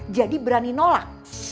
jadi berani nolak